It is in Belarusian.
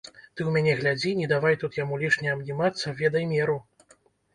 Ты ў мяне глядзі, не давай тут яму лішне абнімацца, ведай меру.